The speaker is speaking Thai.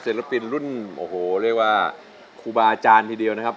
ศิลปินรุ่นโอ้โหเรียกว่าครูบาอาจารย์ทีเดียวนะครับ